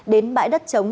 đến bãi đất chống